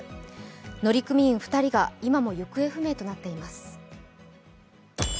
乗組員２人が今も行方不明となっています。